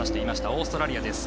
オーストラリアです。